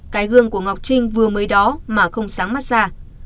cái gương của ngọc trinh vừa mới đó mà không sáng mắt ra